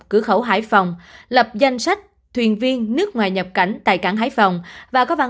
cửa khẩu hải phòng lập danh sách thuyền viên nước ngoài nhập cảnh tại cảng hải phòng và có văn